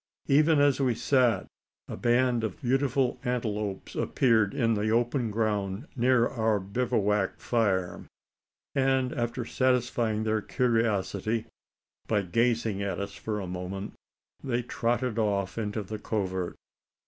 Even as we sat, a band of beautiful antelopes appeared in the open ground near our bivouack fire; and, after satisfying their curiosity by gazing at us for a moment, they trotted off into the covert.